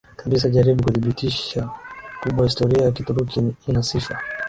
kabisa jaribu kudhibitisha kuwa historia ya Kituruki ina sifa